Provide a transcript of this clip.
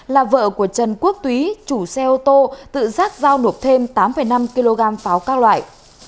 là vợ của trần quốc túy chủ xe ô tô tự rác giao nộp thêm tám năm kg pháo các loại